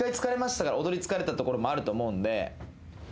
踊り疲れたところもあると思うんで。